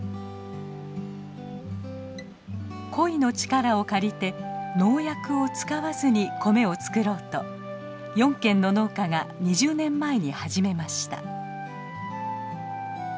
コイの力を借りて農薬を使わずに米を作ろうと４軒の農家が２０年前に始めました。